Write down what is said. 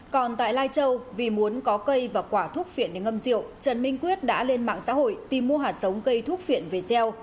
còn tại lai châu vì muốn có cây và quả thuốc phiện để ngâm rượu trần minh quyết đã lên mạng xã hội tìm mua hạt sống cây thuốc phiện về xeo